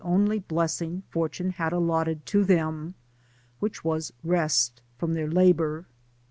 only blessing fortune had allotted to them, which was rest from their labour.